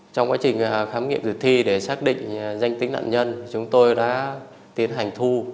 trong quá trình khám nghiệm tử thi để xác định danh tính nạn nhân chúng tôi đã tiến hành thu